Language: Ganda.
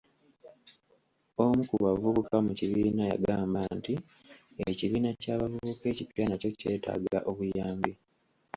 Omu ku bavubuka mu kibiina yagamba nti ekibiina ky'abavubuka ekipya nakyo kyetaaga obuyambi.